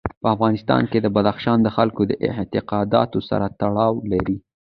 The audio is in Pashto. په افغانستان کې بدخشان د خلکو د اعتقاداتو سره تړاو لري.